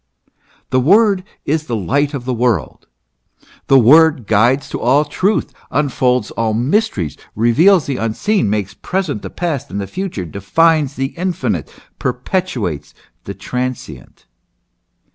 The word is the light of the world. The word guides to all truth, un folds all mysteries, reveals the unseen, makes present the past and the future, defines the infinite, perpetuates the transient.